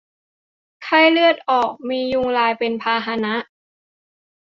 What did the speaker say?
ไข้เลือดออก มียุงลายเป็นพาหะ